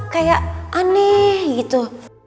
kayak aneh gitu